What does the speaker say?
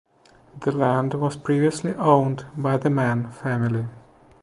The land was previously owned by the Mann family.